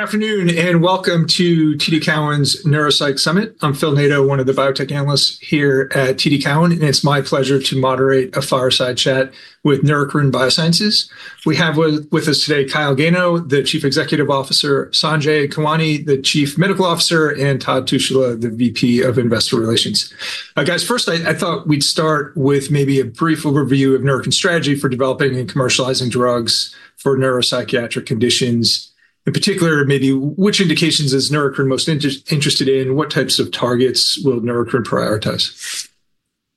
Good afternoon and welcome to TD Cowen's Neuroscience Summit. I'm Phil Nadeau, one of the biotech analysts here at TD Cowen, and it's my pleasure to moderate a fireside chat with Neurocrine Biosciences. We have with us today Kyle Gano, the Chief Executive Officer, Sanjay Keswani, the Chief Medical Officer, and Todd Tushla, the VP of Investor Relations. Guys, first, I thought we'd start with maybe a brief overview of Neurocrine's strategy for developing and commercializing drugs for neuropsychiatric conditions. In particular, maybe which indications is Neurocrine most interested in? What types of targets will Neurocrine prioritize?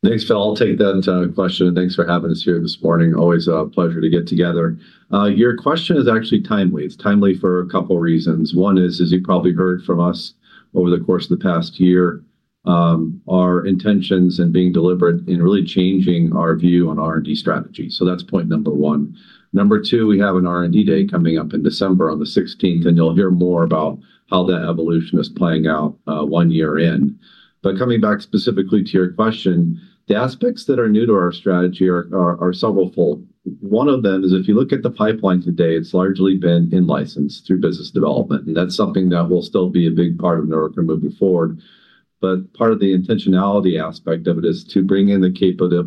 Thanks, Phil. I'll take that question. Thanks for having us here this morning. Always a pleasure to get together. Your question is actually timely. It's timely for a couple of reasons. One is, as you probably heard from us over the course of the past year, our intentions and being deliberate in really changing our view on R&D strategy. That's point number one. Number two, we have an R&D day coming up in December on the 16th, and you'll hear more about how that evolution is playing out one year in. Coming back specifically to your question, the aspects that are new to our strategy are several fold. One of them is, if you look at the pipeline today, it's largely been in-license through business development. That's something that will still be a big part of Neurocrine moving forward. Part of the intentionality aspect of it is to bring in the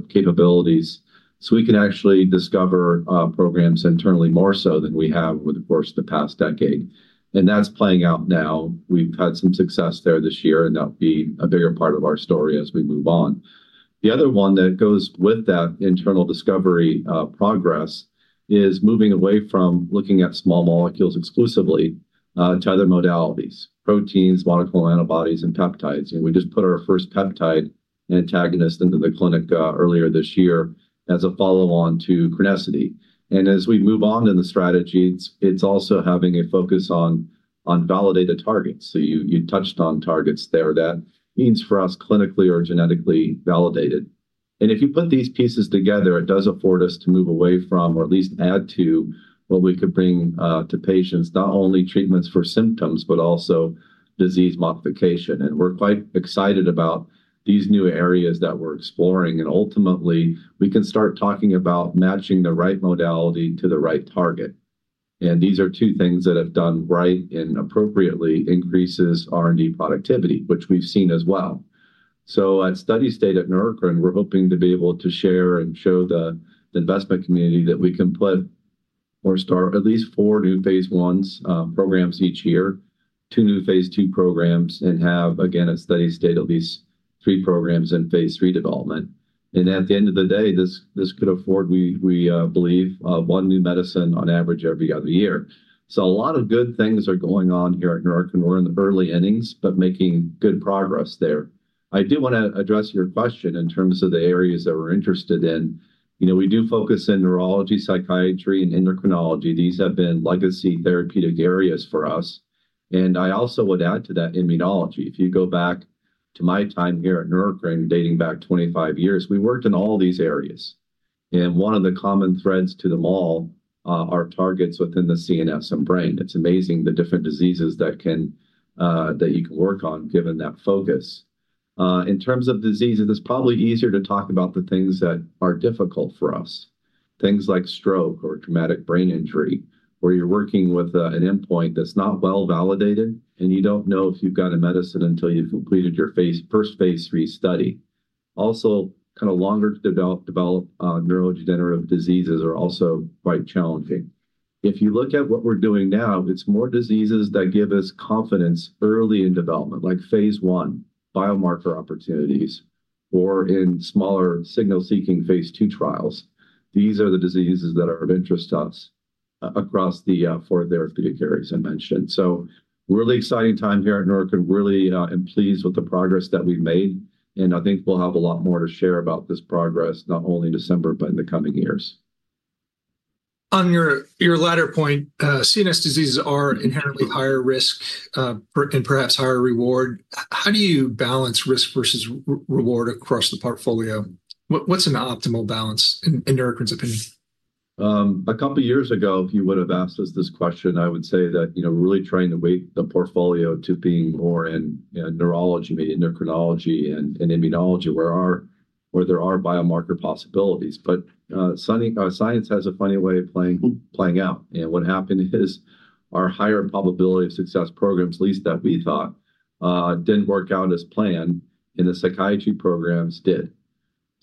capabilities so we can actually discover programs internally more so than we have over the course of the past decade. That's playing out now. We've had some success there this year, and that will be a bigger part of our story as we move on. The other one that goes with that internal discovery progress is moving away from looking at small molecules exclusively to other modalities, proteins, monoclonal antibodies, and peptides. We just put our first peptide antagonist into the clinic earlier this year as a follow-on to CRENESSITY. As we move on in the strategy, it's also having a focus on validated targets. You touched on targets there. That means for us clinically or genetically validated. If you put these pieces together, it does afford us to move away from, or at least add to, what we could bring to patients, not only treatments for symptoms, but also disease modification. We're quite excited about these new areas that we're exploring. Ultimately, we can start talking about matching the right modality to the right target. These are two things that, if done right and appropriately, increase R&D productivity, which we've seen as well. At steady state at Neurocrine we're hoping to be able to share and show the investment community that we can put or start at least four new phase I programs each year, two new phase II programs, and have, again, at steady state, at least three programs in phase III development. At the end of the day, this could afford, we believe, one new medicine on average every other year. A lot of good things are going on here at Neurocrine. We're in the early innings, but making good progress there. I do want to address your question in terms of the areas that we're interested in. You know, we do focus in neurology, psychiatry, and endocrinology. These have been legacy therapeutic areas for us. I also would add to that immunology. If you go back to my time here at Neurocrine dating back 25 years, we worked in all these areas. One of the common threads to them all are targets within the CNS and brain. It's amazing the different diseases that you can work on given that focus. In terms of diseases, it's probably easier to talk about the things that are difficult for us, things like stroke or traumatic brain injury, where you're working with an endpoint that's not well validated, and you don't know if you've got a medicine until you've completed your first phase III study. Also, longer to develop neurodegenerative diseases are also quite challenging. If you look at what we're doing now, it's more diseases that give us confidence early in development, like phase I biomarker opportunities or in smaller signal-seeking phase II trials. These are the diseases that are of interest to us across the four therapeutic areas I mentioned. Really exciting time here at Neurocrine. Really am pleased with the progress that we've made. I think we'll have a lot more to share about this progress, not only in December, but in the coming years. On your latter point, CNS disorders are inherently higher risk and perhaps higher reward. How do you balance risk versus reward across the portfolio? What's an optimal balance in Neurocrine' opinion? A couple of years ago, if you would have asked us this question, I would say that, you know, really trying to weight the portfolio to being more in neurology, maybe endocrinology, and immunology, where there are biomarker possibilities. Science has a funny way of playing out. What happened is our higher probability of success programs, at least that we thought, didn't work out as planned, and the psychiatry programs did.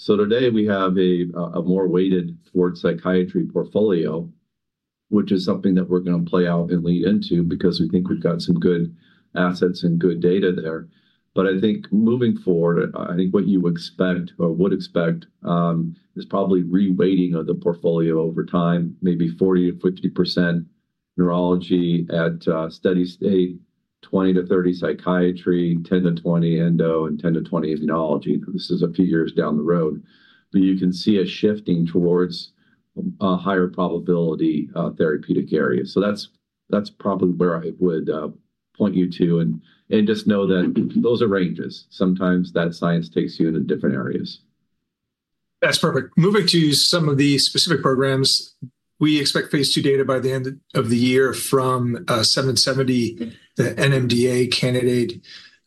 Today we have a more weighted toward psychiatry portfolio, which is something that we're going to play out and lead into because we think we've got some good assets and good data there. I think moving forward, what you expect or would expect is probably reweighting of the portfolio over time, maybe 40% - 50% neurology at steady state, 20% - 30% psychiatry, and 10% - 20% endo, and 10% - 20% immunology. This is a few years down the road. You can see us shifting towards a higher probability therapeutic area. That's probably where I would point you to. Just know that those are ranges. Sometimes science takes you into different areas. That's perfect. Moving to some of the specific programs, we expect phase II data by the end of the year from a NBI-770 NMDA candidate.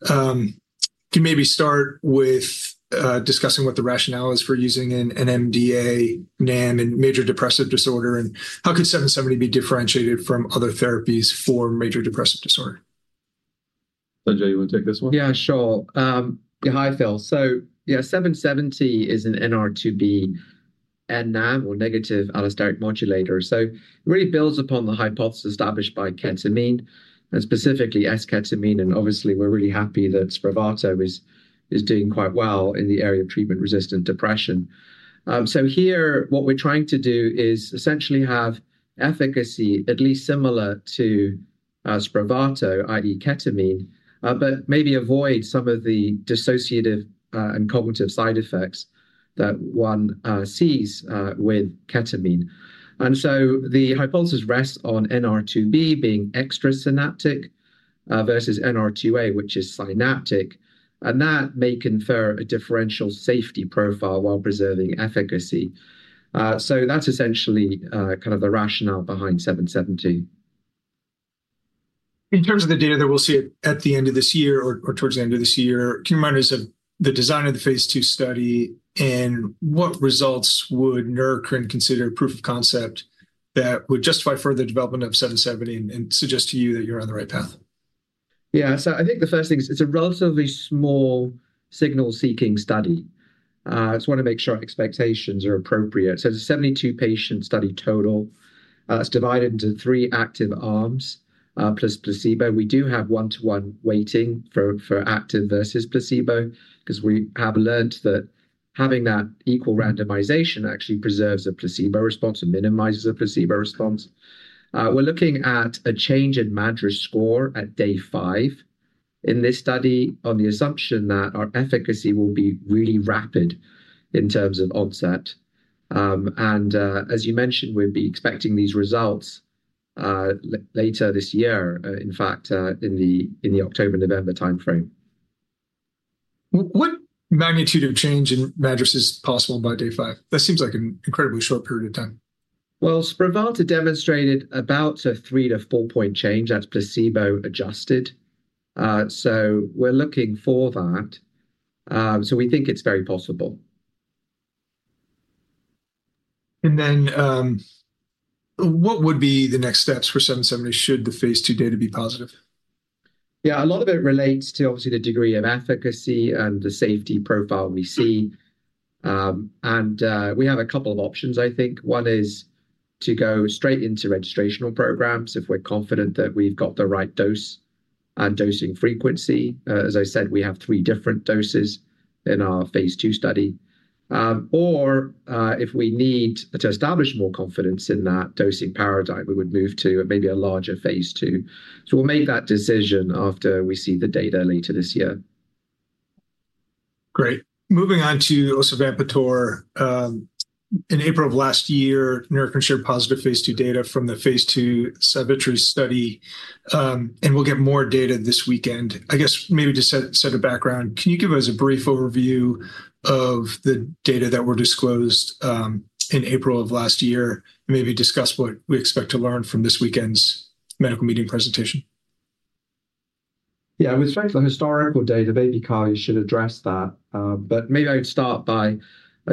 Can you maybe start with discussing what the rationale is for using an NMDA negative allosteric modulator in major depressive disorder? How could NBI-770 be differentiated from other therapies for major depressive disorder? Sanjay, you want to take this one? Yeah, sure. Hi, Phil. NBI-770 is an NR2B NAM or negative allosteric modulator. It really builds upon the hypothesis established by ketamine, and specifically esketamine. We're really happy that Spravato is doing quite well in the area of treatment-resistant depression. Here, what we're trying to do is essentially have efficacy at least similar to Spravato, i.e. ketamine, but maybe avoid some of the dissociative and cognitive side effects that one sees with ketamine. The hypothesis rests on NR2B being extra-synaptic versus NR2A, which is synaptic. That may confer a differential safety profile while preserving efficacy. That's essentially kind of the rationale behind NBI-770. In terms of the data that we'll see at the end of this year or towards the end of this year, can you remind us of the design of the phase II study and what results would Neurocrine consider proof of concept that would justify further development of NBI-NBI-770 and suggest to you that you're on the right path? I think the first thing is it's a relatively small signal-seeking study. I just want to make sure expectations are appropriate. It's a 72-patient study total. It's divided into three active arms plus placebo. We do have one-to-one weighting for active versus placebo because we have learned that having that equal randomization actually preserves a placebo response and minimizes a placebo response. We're looking at a change in MADRS score at day five in this study on the assumption that our efficacy will be really rapid in terms of onset. As you mentioned, we'd be expecting these results later this year, in fact, in the October-November timeframe. What magnitude of change in MADRS is possible by day five? That seems like an incredibly short period of time. Spravato demonstrated about a three-to-four-point change as placebo adjusted. We're looking for that, and we think it's very possible. What would be the next steps for NBI-770 should the phase II data be positive? A lot of it relates to obviously the degree of efficacy and the safety profile we see. We have a couple of options, I think. One is to go straight into registrational programs if we're confident that we've got the right dose and dosing frequency. As I said, we have three different doses in our phase II study. If we need to establish more confidence in that dosing paradigm, we would move to maybe a larger phase II. We'll make that decision after we see the data later this year. Great. Moving on to osavampator. In April of last year, Neurocrine shared positive phase II data from the phase II study. We'll get more data this weekend. I guess maybe to set a background, can you give us a brief overview of the data that were disclosed in April of last year and maybe discuss what we expect to learn from this weekend's medical meeting presentation? Yeah, with respect to the historical data, maybe Kyle should address that. Maybe I'd start by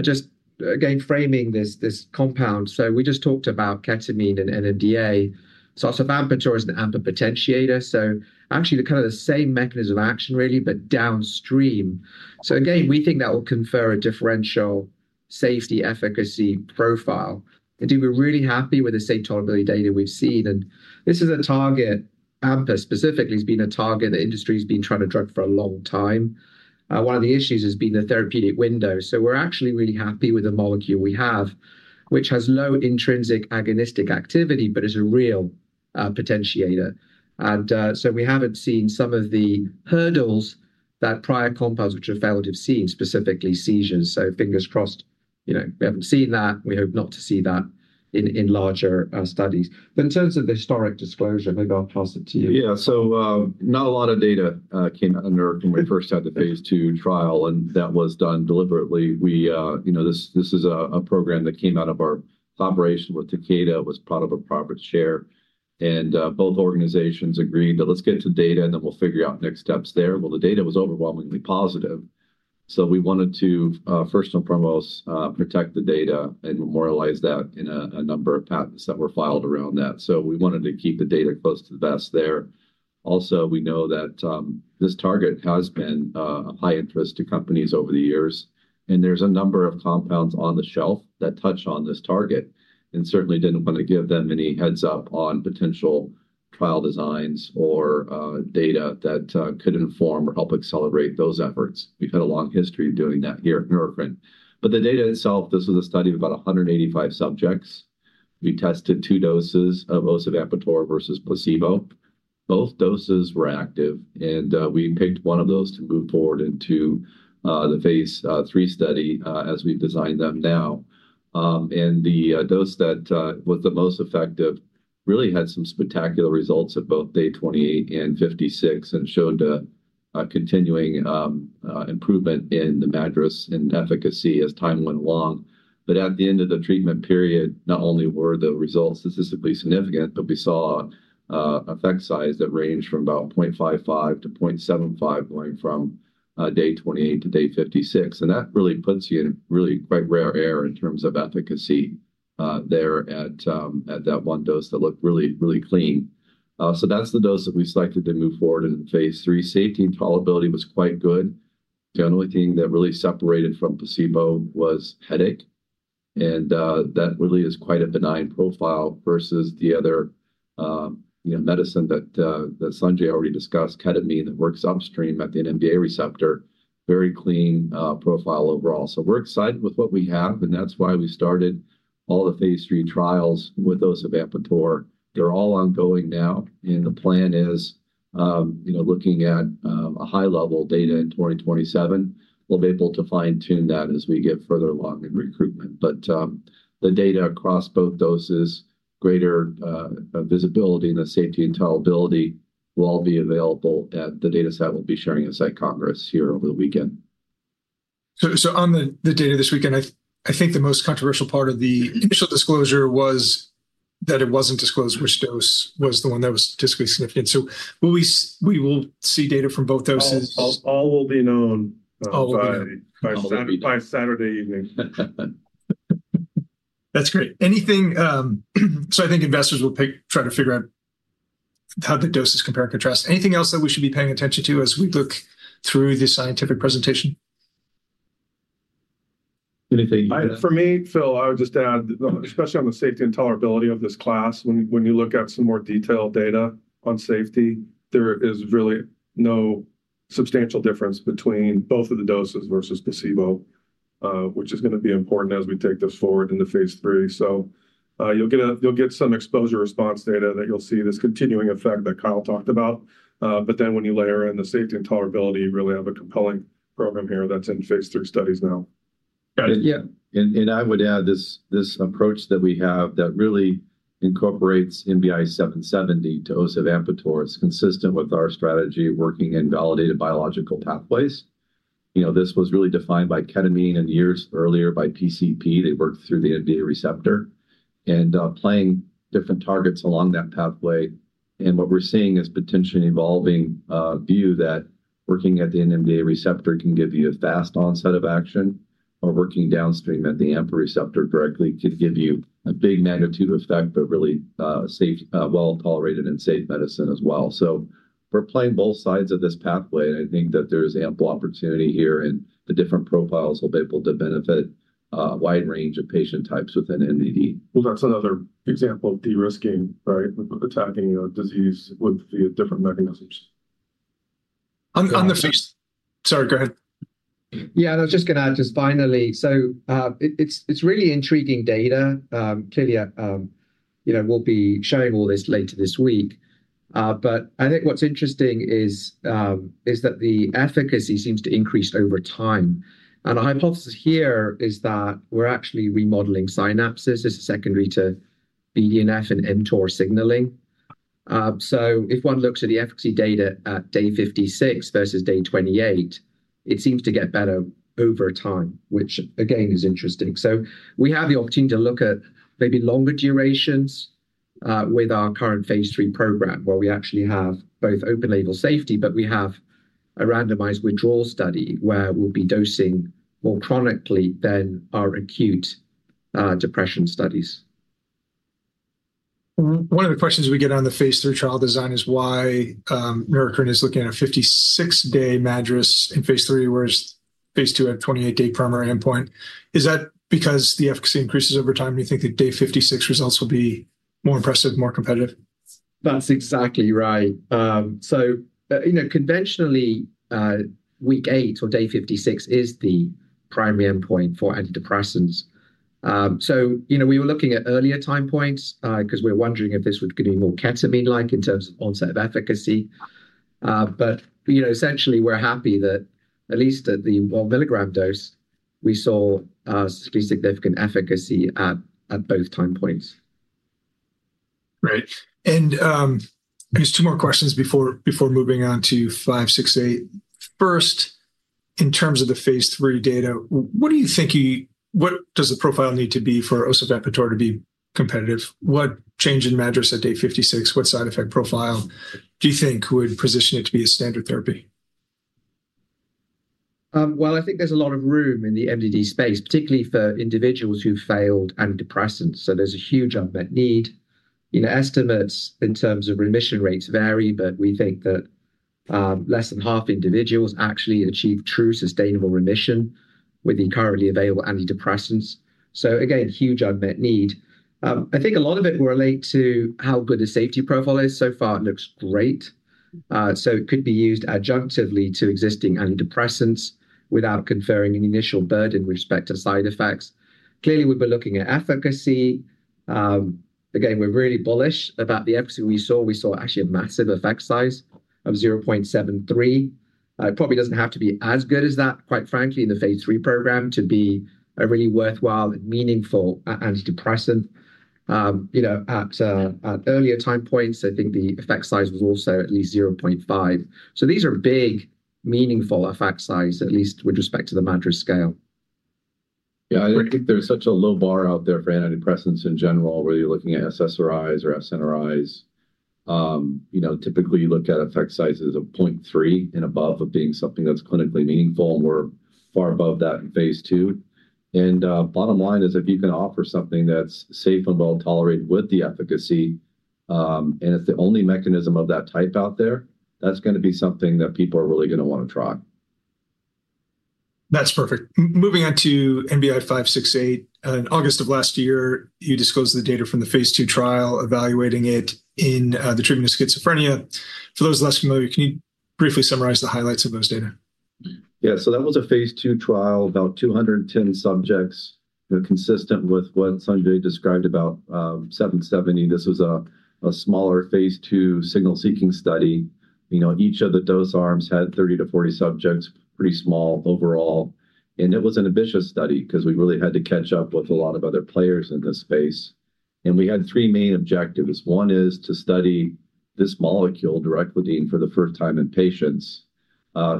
just, again, framing this compound. We just talked about ketamine and NMDA. Osavampator is an AMPA potentiator, actually the kind of the same mechanism of action, really, but downstream. We think that will confer a differential safety efficacy profile. I think we're really happy with the safety tolerability data we've seen. This is a target, AMPA specifically, that industry has been trying to drug for a long time. One of the issues has been the therapeutic window. We're actually really happy with the molecule we have, which has low intrinsic agonistic activity, but it's a real potentiator. We haven't seen some of the hurdles that prior compounds which have failed have seen, specifically seizures. Fingers crossed, we haven't seen that. We hope not to see that in larger studies. In terms of the historic disclosure, maybe I'll toss it to you. Yeah, not a lot of data came under when we first had the phase II trial, and that was done deliberately. You know, this is a program that came out of our collaboration with Takeda. It was part of a profit share, and both organizations agreed that let's get to the data, and then we'll figure out next steps there. The data was overwhelmingly positive. We wanted to, first and foremost, protect the data and memorialize that in a number of patents that were filed around that. We wanted to keep the data close to the vest there. Also, we know that this target has been high interest to companies over the years, and there's a number of compounds on the shelf that touch on this target. Certainly didn't want to give them any heads up on potential trial designs or data that could inform or help accelerate those efforts. We've had a long history of doing that here at Neurocrine. The data itself, this was a study of about 185 subjects. We tested two doses of osavampator versus placebo. Both doses were active, and we picked one of those to move forward into the phase III study as we've designed them now. The dose that was the most effective really had some spectacular results at both day 28 and 56 and showed a continuing improvement in the MADRS and efficacy as time went along. At the end of the treatment period, not only were the results statistically significant, but we saw an effect size that ranged from about 0.55 - 0.75 going from day 28 to day 56. That really puts you in quite rare air in terms of efficacy there at that one dose that looked really, really clean. That's the dose that we selected to move forward in phase III. Safety and tolerability was quite good. The only thing that really separated from placebo was headache, and that really is quite a benign profile versus the other medicine that Sanjay already discussed, ketamine, that works upstream at the NMDA receptor. Very clean profile overall. We're excited with what we have. That's why we started all the phase III trials with osavampator. They're all ongoing now, and the plan is, you know, looking at a high-level data in 2027. We'll be able to fine-tune that as we get further along in recruitment. The data across both doses, greater visibility in the safety and tolerability will all be available at the data set we'll be sharing at site congress here over the weekend. On the data this weekend, I think the most controversial part of the initial disclosure was that it wasn't disclosed which dose was the one that was statistically significant. We will see data from both doses. All will be known. All will be known. By Saturday evening. That's great. I think investors will try to figure out how the doses compare and contrast. Anything else that we should be paying attention to as we look through the scientific presentation? Anything you'd add? For me, Phil, I would just add, especially on the safety and tolerability of this class, when you look at some more detailed data on safety, there is really no substantial difference between both of the doses versus placebo, which is going to be important as we take this forward into phase III. You will get some exposure response data that you'll see this continuing effect that Kyle talked about. When you layer in the safety and tolerability, you really have a compelling program here that's in phase III studies now. I would add this approach that we have that really incorporates NBI-770 to osavampator. It's consistent with our strategy working in validated biological pathways. This was really defined by ketamine and years earlier by PCP. They worked through the NMDA receptor and playing different targets along that pathway. What we're seeing is a potentially evolving view that working at the NMDA receptor can give you a fast onset of action or working downstream at the AMPA receptor directly could give you a big magnitude effect of really safe, well-tolerated, and safe medicine as well. We're playing both sides of this pathway. I think that there's ample opportunity here and the different profiles will be able to benefit a wide range of patient types with major depressive disorder. That's another example of de-risking, right, with attacking a disease with different mechanisms. On the— Sorry, go ahead. Yeah, I was just going to add finally, it's really intriguing data. Clearly, we'll be sharing all this later this week. I think what's interesting is that the efficacy seems to increase over time. Our hypothesis here is that we're actually remodeling synapses secondary to BDNF and mTOR signaling. If one looks at the efficacy data at day 56 versus day 28, it seems to get better over time, which is interesting. We have the opportunity to look at maybe longer durations with our current phase III program where we actually have both open-label safety, and we have a randomized withdrawal study where we'll be dosing more chronically than our acute depression studies. One of the questions we get on the phase III trial design is why Neurocrine is looking at a 56-day MADRS in phase III, whereas phase II had a 28-day primary endpoint. Is that because the efficacy increases over time? You think that day 56 results will be more impressive, more competitive? That's exactly right. Conventionally, week eight or day 56 is the primary endpoint for antidepressants. We were looking at earlier time points because we're wondering if this would be more ketamine-like in terms of onset of efficacy. Essentially, we're happy that at least at the 1 mg dose, we saw significant efficacy at both time points. Right. Just two more questions before moving on to NBI-568. First, in terms of the phase III data, what do you think you... What does the profile need to be for osavampator to be competitive? What change in MADRS at day 56? What side effect profile do you think would position it to be a standard therapy? I think there's a lot of room in the MDD space, particularly for individuals who've failed antidepressants. There's a huge unmet need. Estimates in terms of remission rates vary, but we think that less than half of individuals actually achieve true sustainable remission with the currently available antidepressants. Again, huge unmet need. I think a lot of it will relate to how good the safety profile is. So far, it looks great. It could be used adjunctively to existing antidepressants without conferring an initial burden with respect to side effects. Clearly, we've been looking at efficacy. We're really bullish about the efficacy we saw. We saw actually a massive effect size of 0.73. It probably doesn't have to be as good as that, quite frankly, in the phase III program to be a really worthwhile and meaningful antidepressant. At earlier time points, I think the effect size was also at least 0.5. These are big, meaningful effect sizes, at least with respect to the MADRS scale. Yeah, I think there's such a low bar out there for antidepressants in general, whether you're looking at SSRIs or SNRIs. Typically, you look at effect sizes of 0.3 and above as being something that's clinically meaningful, and we're far above that in phase II. The bottom line is if you can offer something that's safe and well tolerated with the efficacy, and it's the only mechanism of that type out there, that's going to be something that people are really going to want to try. That's perfect. Moving on to NBI-568. In August of last year, you disclosed the data from the phase II trial evaluating it in the treatment of schizophrenia. For those less familiar, can you briefly summarize the highlights of those data? Yeah, so that was a phase II trial, about 210 subjects, consistent with what Sanjay described about NBI-770. This was a smaller phase II signal-seeking study. Each of the dose arms had 30 to 40 subjects, pretty small overall. It was an ambitious study because we really had to catch up with a lot of other players in this space. We had three main objectives. One is to study this molecule, dracoledine, for the first time in patients,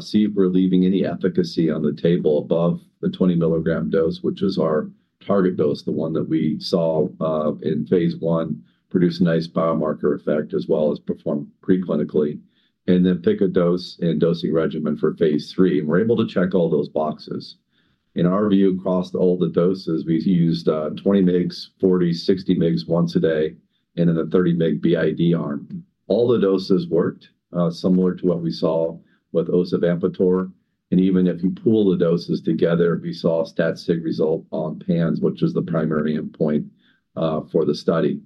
see if we're leaving any efficacy on the table above the 20 mg dose, which is our target dose, the one that we saw in phase I, produce a nice biomarker effect as well as perform preclinically, and then pick a dose and dosing regimen for phase III. We were able to check all those boxes. In our view, across all the doses, we used 20 mg, 40 mg, 60 mg once a day, and then a 30 mg b.i.d. arm. All the doses worked similar to what we saw with osavampator. Even if you pool the doses together, we saw a stat-sig result on PANSS, which is the primary endpoint for the study.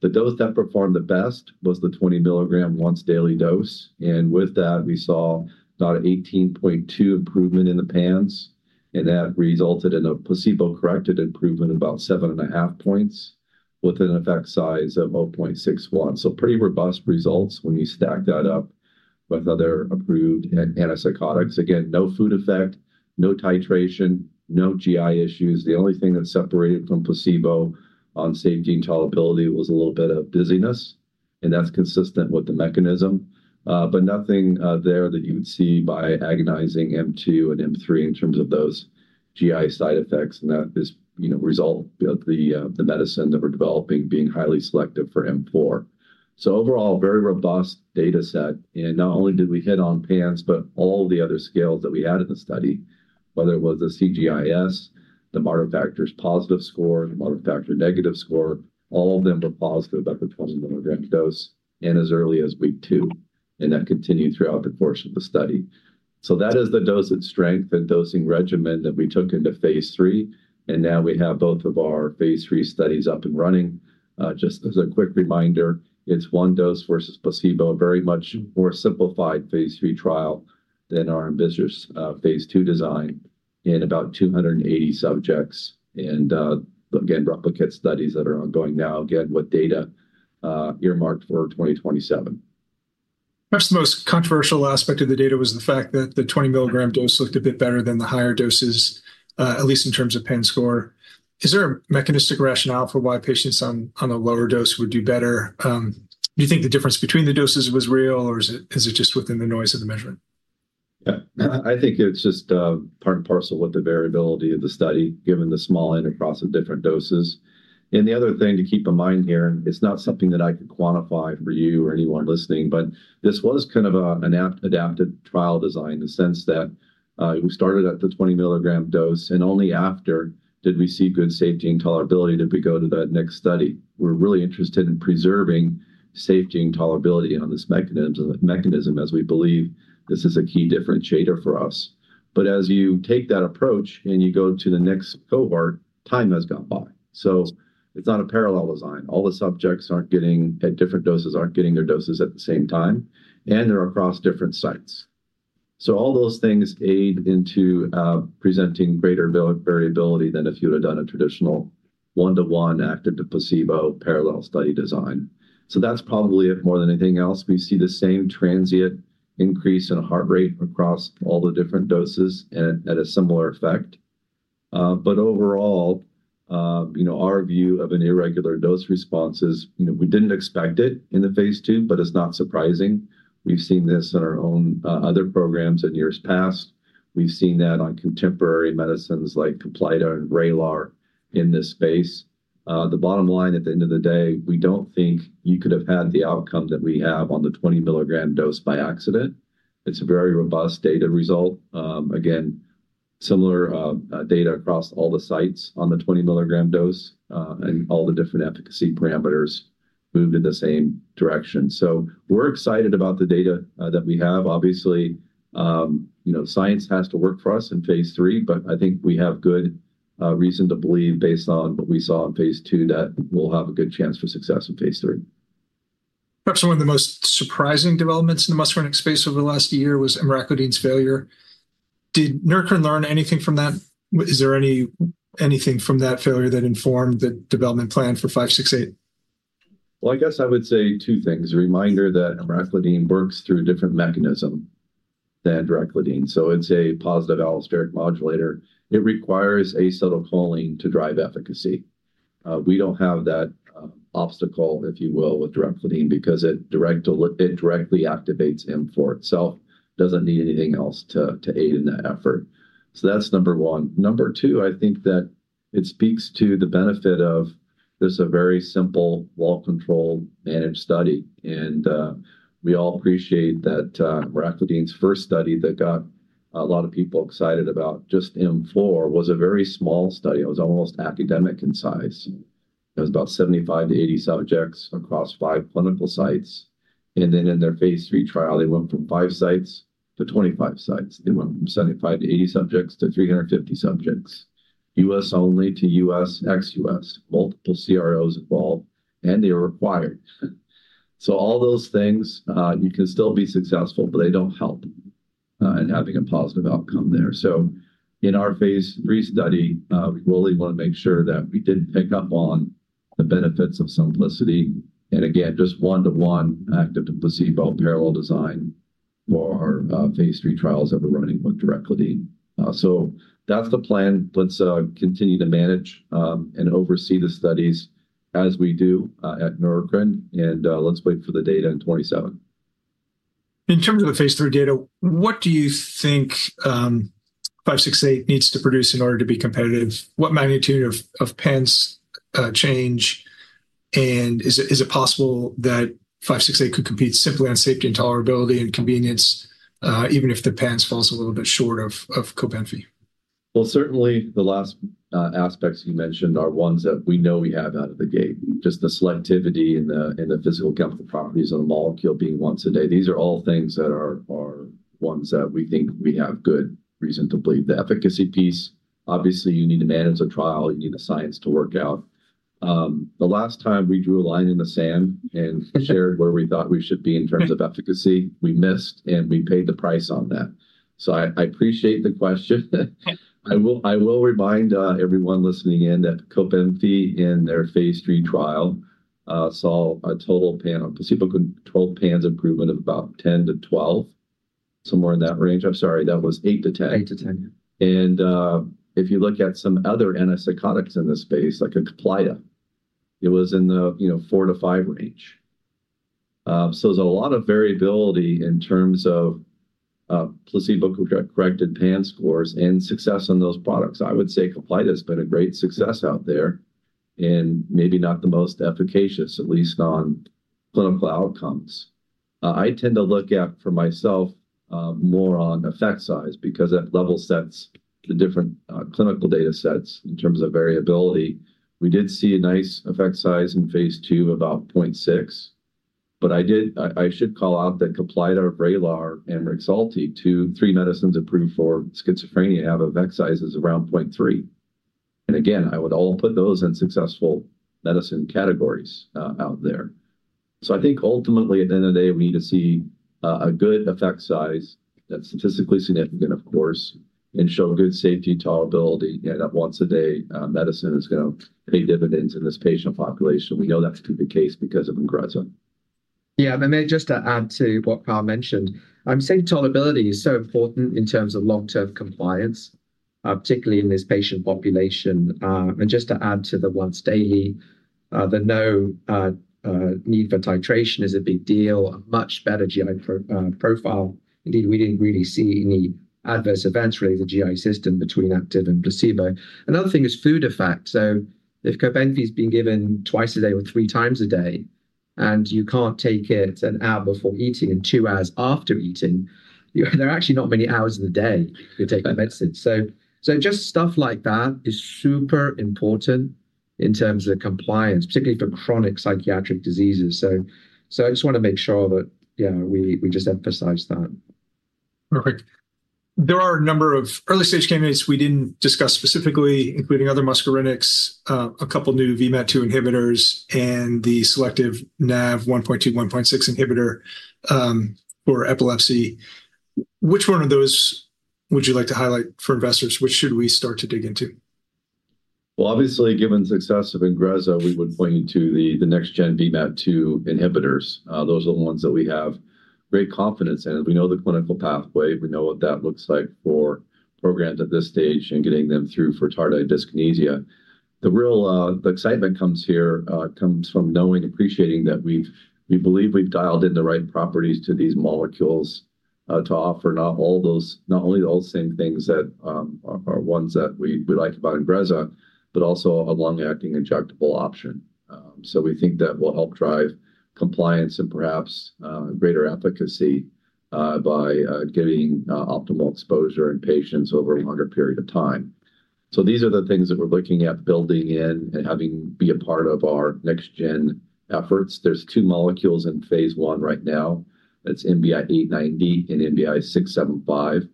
The dose that performed the best was the 20 mg once-daily dose. With that, we saw about an 18.2 improvement in the PANSS, and that resulted in a placebo-corrected improvement of about 7.5 points with an effect size of 0.61. Pretty robust results when you stack that up with other approved antipsychotics. No food effect, no titration, no GI issues. The only thing that separated from placebo on safety and tolerability was a little bit of dizziness, and that's consistent with the mechanism, but nothing there that you would see by agonizing M2 and M3 in terms of those GI side effects. That is a result of the medicine that we're developing being highly selective for M4. Overall, very robust data set. Not only did we hit on PANSS, but all the other scales that we had in the study, whether it was the CGI-S, the Moderate Factors Positive Score, the Moderate Factor Negative Score, all of them were positive at the 20 mg dose and as early as week two. That continued throughout the course of the study. That is the dose at strength and dosing regimen that we took into phase III. Now we have both of our phase III studies up and running. Just as a quick reminder, it's one dose versus placebo, a much more simplified phase III trial than our ambitious phase II design in about 280 subjects. Replicate studies are ongoing now, with data earmarked for 2027. Perhaps the most controversial aspect of the data was the fact that the 20 mg dose looked a bit better than the higher doses, at least in terms of PANSS score. Is there a mechanistic rationale for why patients on a lower dose would do better? Do you think the difference between the doses was real, or is it just within the noise of the measurement? Yeah, I think it's just part and parcel with the variability of the study, given the small intercross of different doses. The other thing to keep in mind here, it's not something that I could quantify for you or anyone listening, but this was kind of an adaptive trial design in the sense that we started at the 20 mg dose, and only after did we see good safety and tolerability did we go to that next study. We're really interested in preserving safety and tolerability on this mechanism, as we believe this is a key differentiator for us. As you take that approach and you go to the next cohort, time has gone by. It's not a parallel design. All the subjects aren't getting at different doses, aren't getting their doses at the same time, and they're across different sites. All those things aid into presenting greater variability than if you would have done a traditional one-to-one active to placebo parallel study design. That's probably it more than anything else. We see the same transient increase in heart rate across all the different doses and at a similar effect. Overall, you know, our view of an irregular dose response is, you know, we didn't expect it in the phase II, but it's not surprising. We've seen this in our own other programs in years past. We've seen that on contemporary medicines like Caplyta and Vraylar in this space. The bottom line, at the end of the day, we don't think you could have had the outcome that we have on the 20 mg dose by accident. It's a very robust data result. Again, similar data across all the sites on the 20 mg dose and all the different efficacy parameters move in the same direction. We're excited about the data that we have. Obviously, you know, science has to work for us in phase III, but I think we have good reason to believe, based on what we saw in phase II, that we'll have a good chance for success in phase III. Perhaps one of the most surprising developments in the muscarinic program space over the last year was INGREZZA's failure. Did Neurocrine learn anything from that? Is there anything from that failure that informed the development plan for NBI-568? I guess I would say two things. A reminder that immaculate dean works through a different mechanism than dracoledine. It's a positive allosteric modulator. It requires acetylcholine to drive efficacy. We don't have that obstacle, if you will, with dracoledine because it directly activates M4 itself. It doesn't need anything else to aid in that effort. That's number one. Number two, I think that it speaks to the benefit of this being a very simple, well-controlled, managed study. We all appreciate that dracoledine's first study that got a lot of people excited about just M4 was a very small study. It was almost academic in size. It was about 75 - 80 subjects across five clinical sites. In their phase III trial, they went from five sites to 25 sites. They went from 75 - 80 subjects to 350 subjects. U.S. only to U.S., ex-U.S. Multiple CROs involved, and they were required. All those things, you can still be successful, but they don't help in having a positive outcome there. In our phase III study, we really want to make sure that we pick up on the benefits of simplicity. Again, just one-to-one active to placebo parallel design for our phase III trials that we're running with dracoledine. That's the plan. Let's continue to manage and oversee the studies as we do at Neurocrine and let's wait for the data in 2027. In terms of the phase III data, what do you think NBI-568 needs to produce in order to be competitive? What magnitude of PANSS change? Is it possible that NBI-568 could compete simply on safety, tolerability, and convenience, even if the PANSS falls a little bit short of Cobenfy? The last aspects you mentioned are ones that we know we have out of the gate. Just the selectivity and the physical chemical properties of the molecule being once a day. These are all things that are ones that we think we have good reason to believe the efficacy piece. Obviously, you need to manage the trial. You need the science to work out. The last time we drew a line in the sand and shared where we thought we should be in terms of efficacy, we missed and we paid the price on that. I appreciate the question. I will remind everyone listening in that Cobenfy in their phase III trial saw a total PANSS, placebo-controlled PANSS improvement of about 10 - 12, somewhere in that range. I'm sorry, that was 8 - 10. 8 - 10. If you look at some other antipsychotics in this space, like Caplyta, it was in the 4 - 5 range. There is a lot of variability in terms of placebo-corrected PANSS scores and success on those products. I would say Caplyta has been a great success out there and maybe not the most efficacious, at least on clinical outcomes. I tend to look at for myself more on effect size because that level sets the different clinical data sets in terms of variability. We did see a nice effect size in phase II of about 0.6. I should call out that Caplyta, Vraylar, and Rexulti, three medicines approved for schizophrenia, have effect sizes around 0.3. I would all put those in successful medicine categories out there. I think ultimately, at the end of the day, we need to see a good effect size that's statistically significant, of course, and show good safety and tolerability, and that once a day medicine is going to pay dividends in this patient population. We know that's been the case because of INGREZZA. Yeah, and maybe just to add to what Kyle mentioned, safety and tolerability is so important in terms of long-term compliance, particularly in this patient population. Just to add to the once-daily, the no need for titration is a big deal, a much better GI profile. Indeed, we didn't really see any adverse events related to the GI system between active and placebo. Another thing is food effect. If CRENESSITY has been given twice a day or 3x a day and you can't take it an hour before eating and two hours after eating, there are actually not many hours in the day you could take that medicine. Just stuff like that is super important in terms of compliance, particularly for chronic psychiatric diseases. I just want to make sure that, yeah, we just emphasize that. Perfect. There are a number of early stage candidates we didn't discuss specifically, including other muscarinics, a couple new VMAT2 inhibitors, and the selective Nav1.2/1.6 inhibitor for epilepsy. Which one of those would you like to highlight for investors? Which should we start to dig into? Obviously, given success of INGREZZA, we would point you to the next-gen VMAT2 inhibitors. Those are the ones that we have great confidence in. We know the clinical pathway. We know what that looks like for programs at this stage and getting them through for tardive dyskinesia. The real excitement comes here, comes from knowing, appreciating that we believe we've dialed in the right properties to these molecules to offer not only those same things that are ones that we like about INGREZZA, but also a long-acting injectable option. We think that will help drive compliance and perhaps greater efficacy by getting optimal exposure in patients over a longer period of time. These are the things that we're looking at building in and having be a part of our next-gen efforts. There's two molecules in phase I right now. That's NBI-890 and NBI-675.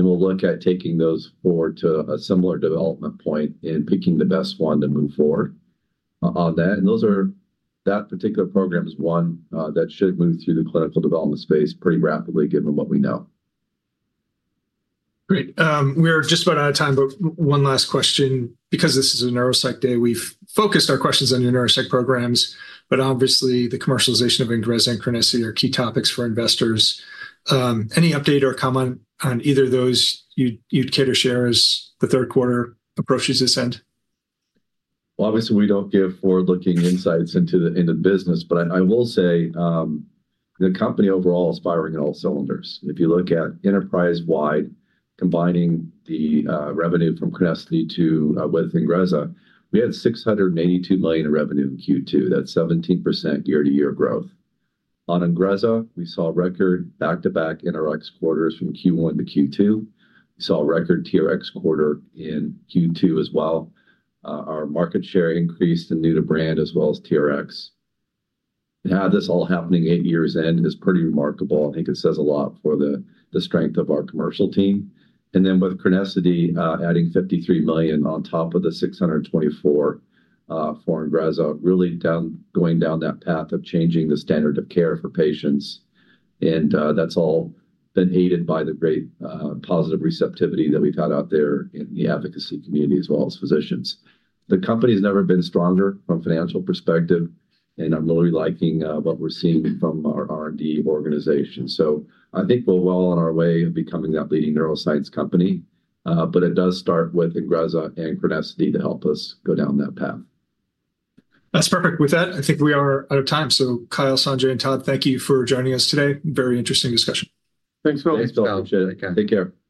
We'll look at taking those forward to a similar development point and picking the best one to move forward on that. That particular program is one that should move through the clinical development space pretty rapidly, given what we know. Great. We are just about out of time, but one last question. Because this is a neuropsych day, we've focused our questions on your neuropsych programs, but obviously, the commercialization of INGREZZA and CRENESSITY are key topics for investors. Any update or comment on either of those you'd care to share as the third quarter approaches this end? Obviously, we don't give forward-looking insights into the business, but I will say the company overall is firing on all cylinders. If you look at enterprise-wide, combining the revenue from CRENESSITY with INGREZZA, we had $682 million in revenue in Q2. That's 17% year-to-year growth. On INGREZZA, we saw record back-to-back NRX quarters from Q1 to Q2. We saw a record TRX quarter in Q2 as well. Our market share increased in new to brand as well as TRX. How this is all happening eight years in is pretty remarkable. I think it says a lot for the strength of our commercial team. With CRENESSITY adding $53 million on top of the $624 million for INGREZZA, really going down that path of changing the standard of care for patients. That's all been aided by the great positive receptivity that we've had out there in the advocacy community as well as physicians. The company's never been stronger from a financial perspective, and I'm really liking what we're seeing from our R&D organization. I think we're well on our way of becoming that leading neuroscience company, but it does start with INGREZZA and CRENESSITY to help us go down that path. That's perfect. With that, I think we are out of time. Kyle, Sanjay, and Todd, thank you for joining us today. Very interesting discussion. Thanks, Phil. Thanks, Kyle. Take care.